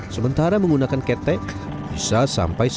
sementara menggunakan ketek bisa sampai satu jam